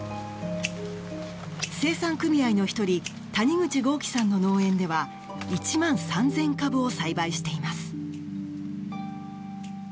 生産組合の１人谷口豪樹さんの農園では１万３０００株を栽培しています。